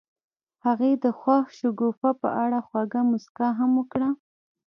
هغې د خوښ شګوفه په اړه خوږه موسکا هم وکړه.